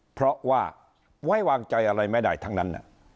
เพราะว่าไว้วางใจอะไรไม่ได้ทั้งนั้น